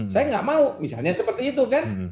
saya nggak mau misalnya seperti itu kan